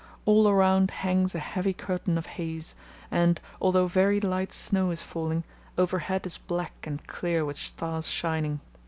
All around hangs a heavy curtain of haze, and, although very light snow is falling, overhead is black and clear with stars shining.